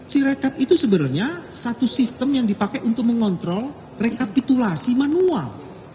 sirekap itu sebenarnya satu sistem yang dipakai untuk mengontrol rekapitulasi manual